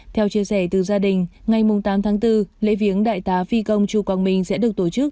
theo chia sẻ từ gia đình ngày tám tháng bốn lễ viếng đại tá phi công chu quang minh sẽ được tổ chức